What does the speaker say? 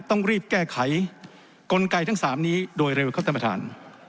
ต้องรีบแก้ไขกลไกรทั้งสามนี้โดยระวังเข้าท่านประธาน